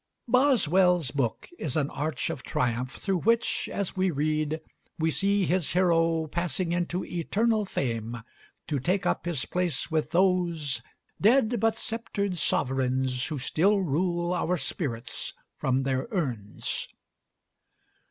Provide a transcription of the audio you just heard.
Boswell's book is an arch of triumph, through which, as we read, we see his hero passing into eternal fame, to take up his place with those "Dead but sceptred sovereigns who still rule Our spirits from their urns."